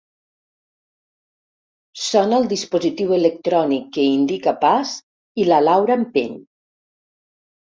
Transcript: Sona el dispositiu electrònic que indica pas i la Laura empeny.